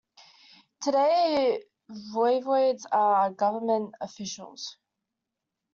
Today voivodes are government officials.